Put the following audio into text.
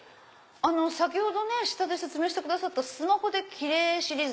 先ほど下で説明してくださった「スマホでキレイシリーズ」。